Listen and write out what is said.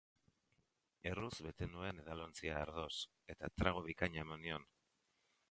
Erruz bete nuen edalontzia ardoz, eta trago bikaina eman nion.